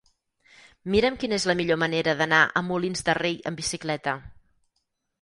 Mira'm quina és la millor manera d'anar a Molins de Rei amb bicicleta.